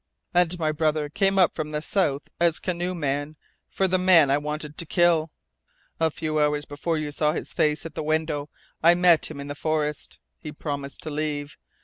And my brother came up from the south as canoe man for the man I wanted to kill! A few hours before you saw his face at the window I met him in the forest. He promised to leave.